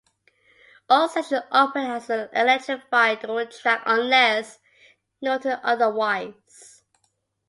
All sections opened as electrified dual track unless noted otherwise.